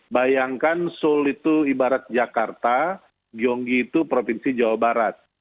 bayangkan seoul itu ibarat jakarta gyonggi itu provinsi jawa barat